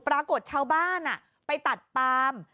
ปรากฏชาวบ้านไปตัดปาม